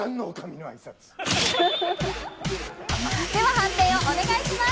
判定をお願いします。